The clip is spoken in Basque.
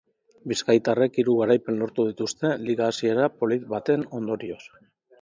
Bizkaitarrek hiru garaipen lortu dituzte liga hasiera polit baten ondorioz.